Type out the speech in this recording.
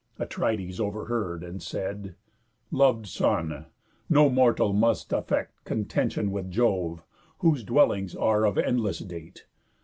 Atrides over heard, and said: "Lov'd son, No mortal must affect contentión With Jove, whose dwellings are of endless date.